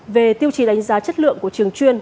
về tiêu chí đánh giá chất lượng của trường chuyên